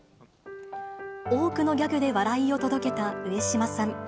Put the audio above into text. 多くのギャグで笑いを届けた上島さん。